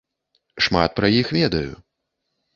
Шмат пра іх ведаю.